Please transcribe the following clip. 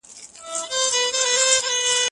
زه به سبا ليکلي پاڼي ترتيب کوم!